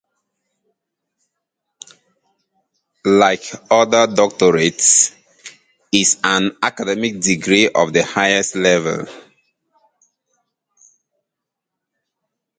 Like other doctorates, is an academic degree of the highest level.